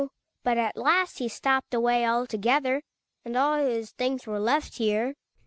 But at last he stopj)ed away altogether, and all his things were left here.